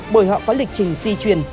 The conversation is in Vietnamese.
bởi họ có lịch trình di truyền